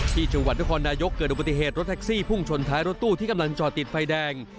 ที่จังหวัดนครนายกเกิดอุบัติเหตุรถแท็กซี่พุ่งชนท้ายรถตู้ที่กำลังจอดติดไฟแดง